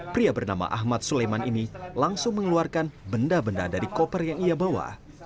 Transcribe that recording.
pria bernama ahmad sulaiman ini langsung mengeluarkan benda benda dari koper yang ia bawa